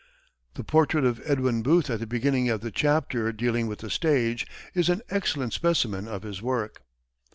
The portrait of Edwin Booth, at the beginning of the chapter dealing with the stage, is an excellent specimen of his work.